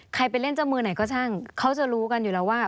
ไปเล่นเจ้ามือไหนก็ช่างเขาจะรู้กันอยู่แล้วว่า